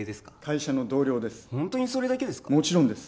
会社の同僚です